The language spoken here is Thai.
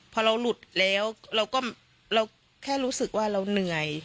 พอเราหลุดแล้วเราก็เราแค่รู้สึกว่าเราเหนื่อย